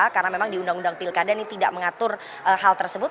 karena memang di undang undang pilkada ini tidak mengatur hal tersebut